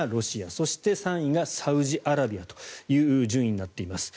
そして、３位がサウジアラビアという順位になっています。